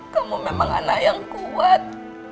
kamu memang anak yang kuat